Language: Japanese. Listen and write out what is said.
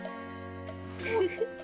フフフ。